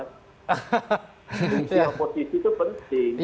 fungsi oposisi itu penting